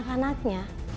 dan mencari anak anaknya